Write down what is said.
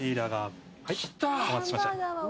お待たせしました。